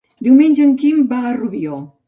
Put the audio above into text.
Diumenge en Quim va a Rubió.